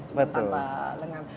cuma tanpa lengan